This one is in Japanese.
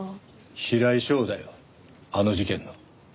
平井翔だよあの事件の。